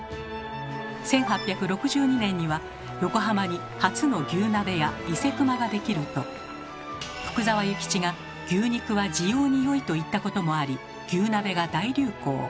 １８６２年には横浜に初の牛鍋屋「伊勢熊」ができると福沢諭吉が「牛肉は滋養に良い」と言ったこともあり牛鍋が大流行。